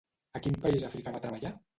A quin país africà va treballar?